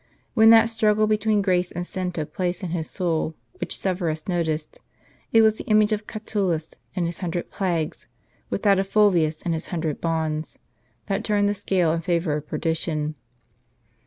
When that struggle between grace and sin took place in his soul, which Severus noticed, it was the image of Catulus and his hundred plagues, with that of Fulvius and his hundred bonds, that turned the scale in favor of perdition.